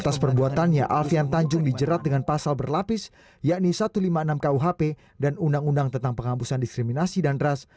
atas perbuatannya alfian tanjung dijerat dengan pasal berlapis yakni satu ratus lima puluh enam kuhp dan undang undang tentang penghambusan diskriminasi dan ras